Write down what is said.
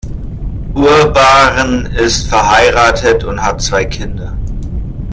Urban ist verheiratet und hat zwei Kinder.